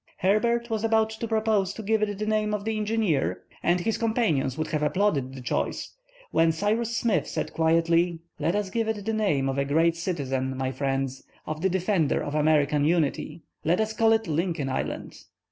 Herbert was about to propose to give it the name of the engineer, and his companions would have applauded the choice, when Cyrus Smith said quietly:— "Let us give it the name of a great citizen, my friends, of the defender of American unity! Let us call it Lincoln Island!"